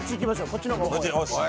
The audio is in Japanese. こっちの方が重い。